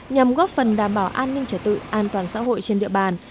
nhằm góp phần đảm bảo an ninh trở tự an toàn xã hội trên địa bàn